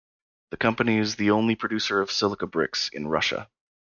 The company is the only producer of silica bricks in Russia.